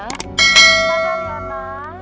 padahal ya ma